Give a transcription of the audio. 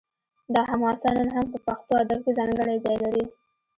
دا حماسه نن هم په پښتو ادب کې ځانګړی ځای لري